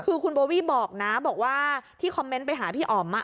คือคุณโบวี่บอกนะบอกว่าที่คอมเมนต์ไปหาพี่อ๋อม